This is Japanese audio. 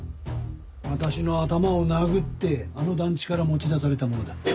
私の頭を殴ってあの団地から持ち出されたものだ。